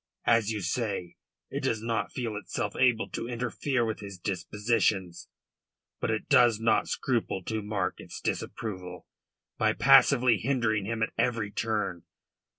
As you say, it does not feel itself able to interfere with his dispositions. But it does not scruple to mark its disapproval by passively hindering him at every turn.